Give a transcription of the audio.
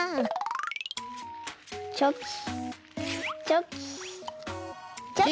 チョキチョキチョキ。